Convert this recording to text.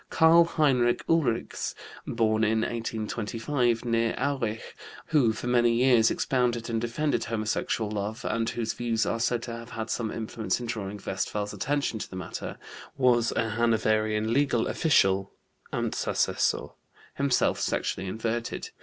Karl Heinrich Ulrichs (born in 1825 near Aurich), who for many years expounded and defended homosexual love, and whose views are said to have had some influence in drawing Westphal's attention to the matter, was a Hanoverian legal official (Amtsassessor), himself sexually inverted.